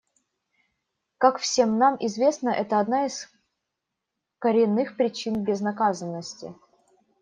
Как всем нам известно, это одна из коренных причин безнаказанности.